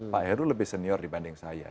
pak heru lebih senior dibanding saya